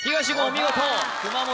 見事熊本